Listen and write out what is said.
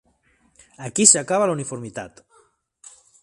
Aquí s'acabava la uniformitat.